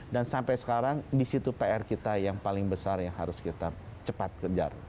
dan sampai sekarang di situ pr kita yang paling besar yang harus kita cepat kerjakan